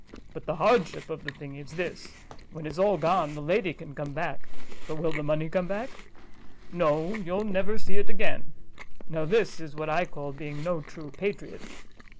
But the hardship of the thing is this: when it's all gone, the lady can come back, but will the money come back? No, you'll never see it again: now this is what I call being no true patriot."